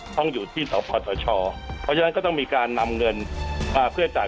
ต้องอยู่ที่สปสชเพราะฉะนั้นก็ต้องมีการนำเงินมาเพื่อจ่าย